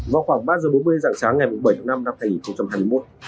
vào khoảng ba h bốn mươi dạng sáng ngày bảy tháng năm năm hai nghìn hai mươi một